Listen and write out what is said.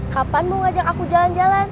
kapan mau ngajak aku jalan jalan